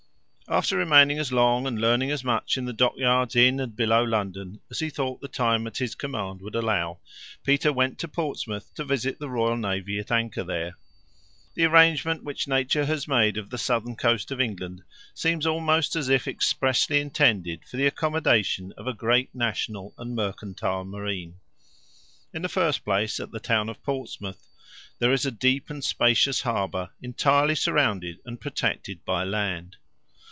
After remaining as long and learning as much in the dock yards in and below London as he thought the time at his command would allow, Peter went to Portsmouth to visit the royal navy at anchor there. The arrangement which nature has made of the southern coast of England seems almost as if expressly intended for the accommodation of a great national and mercantile marine. In the first place, at the town of Portsmouth, there is a deep and spacious harbor entirely surrounded and protected by land.